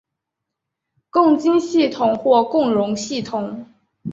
共晶系统或共熔系统。